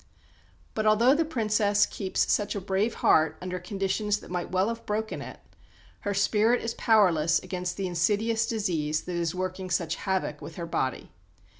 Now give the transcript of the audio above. But although the Princess keeps such a brave heart under conditions that might well have broken it, her spirit is powerless against the insidious disease that is working such havoc with her body.